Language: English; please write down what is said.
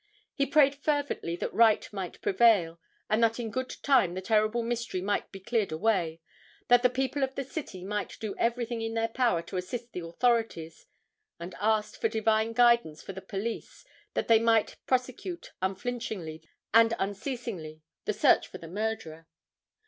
He prayed fervently that right might prevail, and that in good time the terrible mystery might be cleared away; that the people of the city might do everything in their power to assist the authorities, and asked for divine guidance for the police, that they might prosecute unflinchingly and unceasingly the search for the murderer.